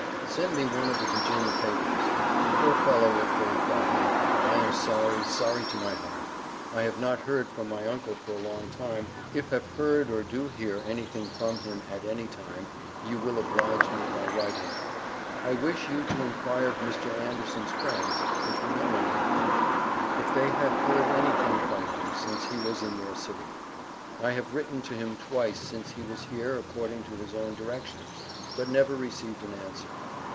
Send me one of the Virginia Papers. Poor fellow if they have got him, I am sorry, sorry to my heart. I have not heard from my Uncle for a long time if have heard or do hear anything from him at any time you will oblige me by writing. I wish you to inquire of Mr. Anderson's friends (if you know any of them), if they have heard anything from him since he was in your city. I have written to him twice since he was here according to his own directions, but never received an answer.